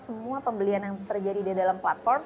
semua pembelian yang terjadi di dalam platform